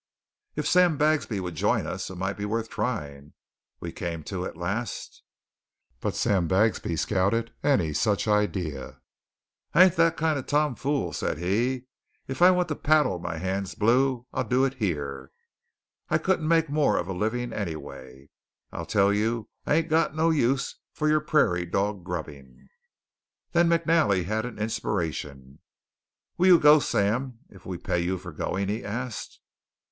"If Sam Bagsby would join us, it might be worth trying," we came to at last. But Sam Bagsby scouted any such idea. "I ain't that kind of a tom fool," said he. "If I want to paddle my hands blue I'd do it yere. I couldn't make more'n a living anyway. I tell you I ain't got no use for yore pra'rie dog grubbing!" Then McNally had an inspiration. "Will you go, Sam, if we pay you for going?" he asked.